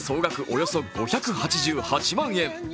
およそ５８８万円。